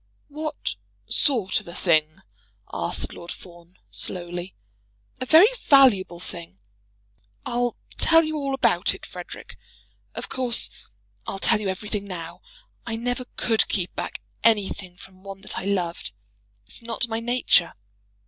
"What sort of a thing?" asked Lord Fawn slowly. "A very valuable thing. I'll tell you all about it, Frederic. Of course I'll tell you everything now. I never could keep back anything from one that I loved. It's not my nature.